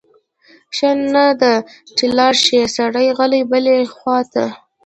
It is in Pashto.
ښه نه ده چې لاړ شی سړی غلی بلې خواته؟